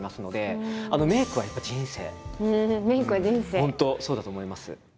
本当そうだと思います。